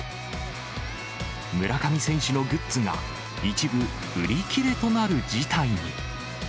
村上選手のグッズが、一部売り切れとなる事態に。